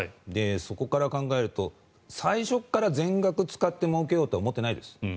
そこから考えると最初から全額使ってもうけようとは思ってないです。